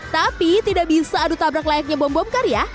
tapi tidak bisa adu tabrak layaknya bom bom karya